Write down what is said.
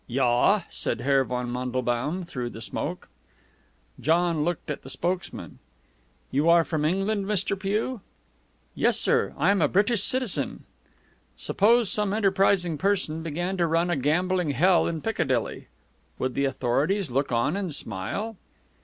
"Yah," said Herr von Mandelbaum through the smoke. John looked at the spokesman. "You are from England, Mr. Pugh?" "Yes, sir. I am a British citizen." "Suppose some enterprising person began to run a gambling hell in Piccadilly, would the authorities look on and smile?"